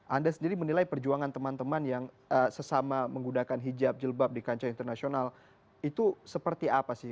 anda sendiri menilai perjuangan teman teman yang sesama menggunakan hijab jilbab di kancah internasional itu seperti apa sih